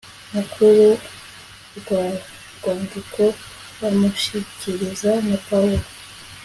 mukuru rwa rwandiko bamushyikiriza na pawulo